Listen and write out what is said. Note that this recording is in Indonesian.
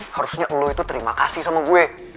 harusnya lo itu terima kasih sama gue